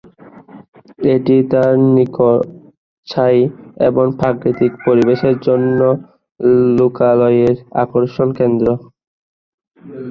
এটি তার নিখরচায় এবং প্রাকৃতিক পরিবেশের জন্য লোকালয়ের আকর্ষণ কেন্দ্র।